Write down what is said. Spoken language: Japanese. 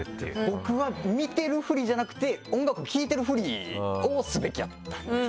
僕は見てるふりじゃなくて音楽を聴いてるふりをすべきやったんですかね。